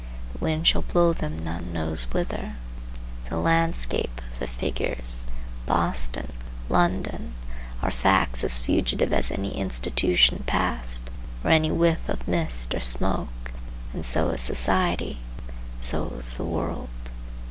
The wind shall blow them none knows whither. The landscape, the figures, Boston, London, are facts as fugitive as any institution past, or any whiff of mist or smoke, and so is society, and so is the world.